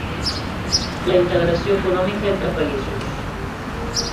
La integració econòmica entre països.